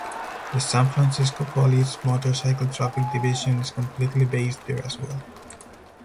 The San Francisco Police motorcycle traffic division is completely based there as well.